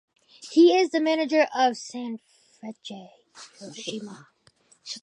He is the manager of Sanfrecce Hiroshima.